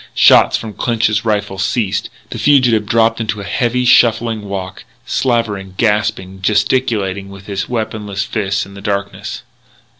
Shots from Clinch's rifle ceased; the fugitive dropped into a heavy, shuffling walk, slavering, gasping, gesticulating with his weaponless fists in the darkness.